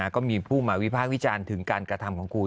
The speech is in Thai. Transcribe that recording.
ก็มีผู้มาวิพากษ์วิจารณ์ถึงการกระทำของคุณ